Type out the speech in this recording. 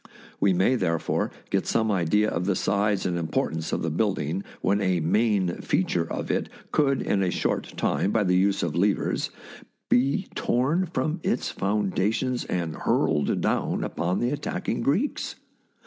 We may, therefore, get some idea of the size and importance of the building when a " main feature " of it could in a short time, by the use of levers, be torn from its foundations and hurled down upon the attacking Greeks.